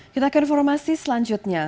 kita akan informasi selanjutnya